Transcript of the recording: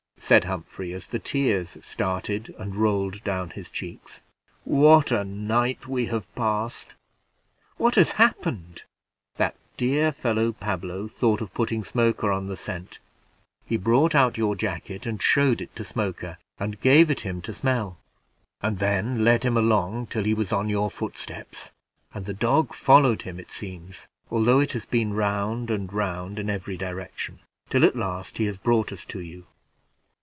said Humphrey, as the tears started and rolled down his cheeks. "What a night we have passed! What has happened? That dear fellow, Pablo, thought of putting Smoker on the scent; he brought out your jacket and showed it to Smoker, and gave it him to smell, and then led him along till he was on your footsteps; and the dog followed him, it seems, although it has been round and round in every direction, till at last he has brought us to you."